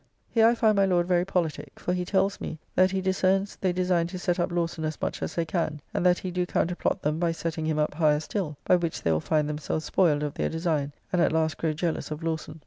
Here I find my Lord very politique; for he tells me, that he discerns they design to set up Lawson as much as they can and that he do counterplot them by setting him up higher still; by which they will find themselves spoiled of their design, and at last grow jealous of Lawson.